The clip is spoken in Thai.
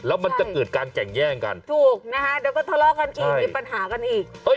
แล้วมันจะเกิดการแก่งแย่งกันถูกนะคะเดี๋ยวก็ทะเลาะกันอีกมีปัญหากันอีก